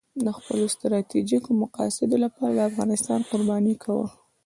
د خپلو ستراتیژیکو مقاصدو لپاره افغانستان قرباني کاوه.